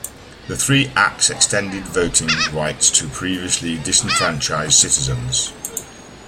The three acts extended voting rights to previously disenfranchised citizens.